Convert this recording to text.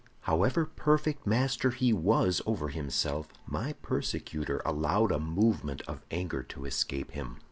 "However perfect master he was over himself, my persecutor allowed a movement of anger to escape him.